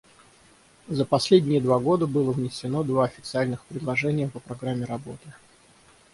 За последние два года было внесено два официальных предложения по программе работы.